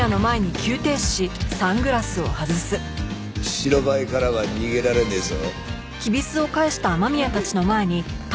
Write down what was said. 白バイからは逃げられねえぞ。